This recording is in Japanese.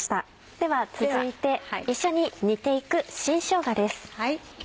では続いて一緒に煮て行く新しょうがです。